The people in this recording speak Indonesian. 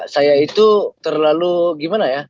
saya itu terlalu gimana ya